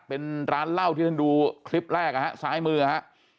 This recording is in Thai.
เป็นร้านเหล้าที่ท่านดูคลิปแรกนะฮะซ้ายมือฮะ